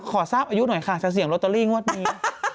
ขอทราบอายุหน่อยค่ะจะเสี่ยงลอตเตอรี่งวดนี้